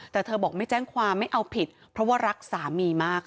แต่เธอบอกไม่แจ้งความไม่เอาผิดเพราะว่ารักสามีมาก